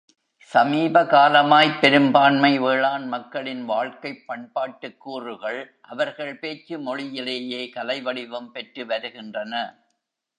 சமீப காலமாய்ப் பெரும்பான்மை வேளாண் மக்களின் வாழ்க்கைப் பண்பாட்டுக் கூறுகள் அவர்கள் பேச்சுமொழியிலேயே கலைவடிவம் பெற்றுவருகின்றன.